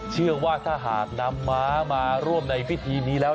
เชื่อว่าถ้าหากนำม้ามาร่วมในพิธีนี้แล้ว